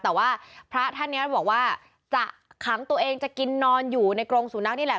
แต่ว่าพระท่านนี้บอกว่าจะขังตัวเองจะกินนอนอยู่ในกรงสุนัขนี่แหละ